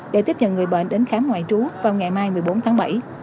để tiếp nhận người bệnh đến khám ngoại trú vào ngày mai một mươi bốn tháng bảy